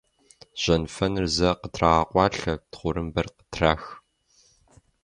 Жьэнфэныр зэ къытрагъэкъуалъэ, тхъурымбэр къытрах.